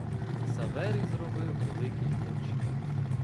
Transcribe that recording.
Ксаверій зробив великі очі.